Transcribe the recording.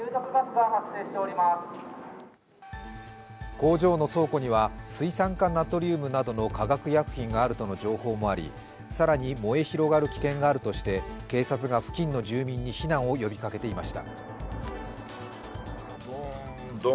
工場の倉庫には水酸化ナトリウムなどの化学薬品があるとの情報もあり更に燃え広がる危険があるとして警察が付近の住民に避難を呼びかけていました。